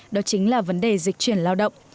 đó chính là vấn đề dịch chuyển lao động